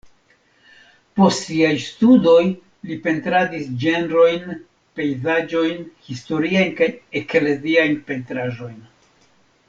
Post siaj studoj li pentradis ĝenrojn, pejzaĝojn, historiajn kaj ekleziajn pentraĵojn.